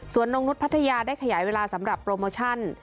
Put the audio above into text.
ส่วนนงนุษย์พัทยาได้ขยายเวลาสำหรับโปรโมชั่น